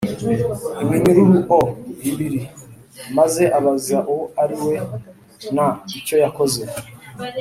Iminyururu O Ibiri Maze Abaza Uwo Ari We N Icyo Yakoze